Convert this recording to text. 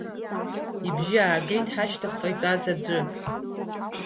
Ибжьы аагеит, ҳашьҭахьҟа итәаз аӡәы.